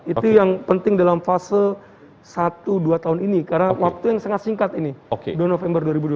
itu yang penting dalam fase satu dua tahun ini karena waktu yang sangat singkat ini dua november dua ribu dua puluh